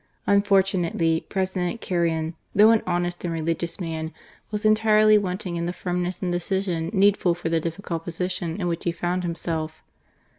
Unfortunately, President Carrion, though an honest and religious man, was entirely wanting in the firmness and decision needful for the difficult position in which he found himself.